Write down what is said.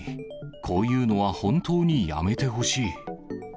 こういうのは本当にやめてほしい。